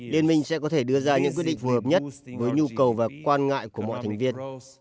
liên minh sẽ có thể đưa ra những quyết định hợp nhất với nhu cầu và quan ngại của mọi thành viên